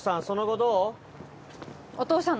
その後どう？